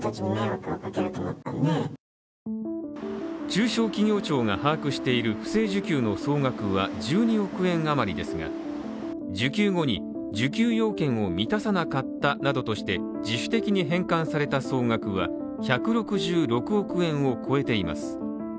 中小企業庁が把握している不正受給の総額は１２億円余りですが受給後に受給要件を満たさなかったなどとして自主的に返還された総額は１６６億円を超えています。